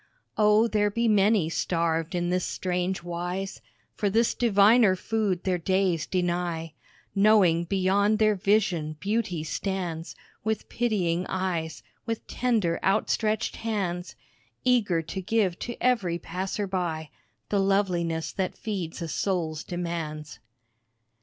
O, there be many starved in this strange wise For this diviner food their days deny, Knowing beyond their vision beauty stands With pitying eyes with tender, outstretched hands, Eager to give to every passer by The loveliness that feeds a soul's demands.